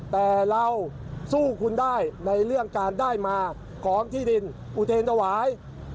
แต่เราสู้คุณได้ในเรื่องการได้มาของที่ดินอุเทรนธวาย